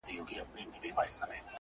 چي ته څوک یې ته پر کوم لوري روان یې-